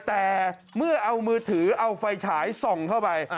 แต่เมื่อเอามือถือเอาไฟฉายส่องเข้าไป